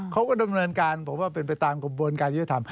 เขาก็ดำเนินการผมว่าเป็นไปตามกระบวนการยุทธธรรม